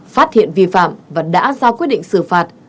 phát hiện vi phạm và đã ra quyết định xử phạt